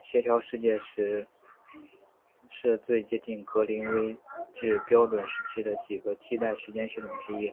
协调世界时是最接近格林威治标准时间的几个替代时间系统之一。